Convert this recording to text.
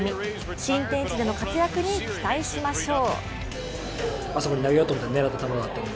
新天地での活躍に期待しましょう。